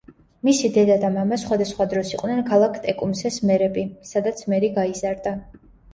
მისი დედა და მამა სხვადასხვა დროს იყვნენ ქალაქ ტეკუმსეს მერები, სადაც მერი გაიზარდა.